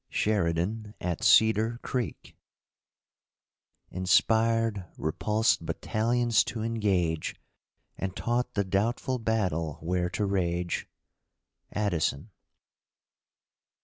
SHERIDAN AT CEDAR CREEK Inspired repulsed battalions to engage, And taught the doubtful battle where to rage. Addison.